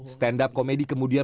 stand up komedi kemudian